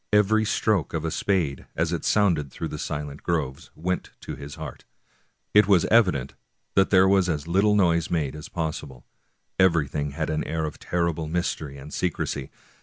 Every stroke of a spade, as it sounded through the silent groves, went to his heart. It was evident there was as little noise made as possible ; every thing had an air of terrible mystery and secrecy.